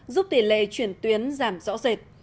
giúp tỷ lệ chuyển tuyến giảm rõ rệt